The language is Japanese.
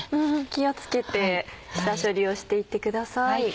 気を付けて下処理をして行ってください。